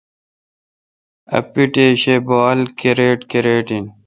اں پیٹش اے°بال کرِٹ کرِٹ این